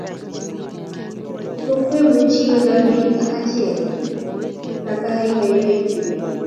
kotko kwemuchi iwe kambit ak achek ko katakibaibaituu